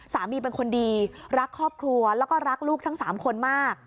สามีเป็นคนดีรักครอบครัวแล้วก็รักลูกทั้ง๓คนมาก